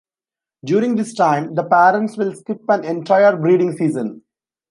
During this time, the parents will skip an entire breeding season.